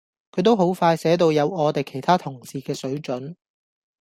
佢都好快寫到有我哋其他同事嘅水準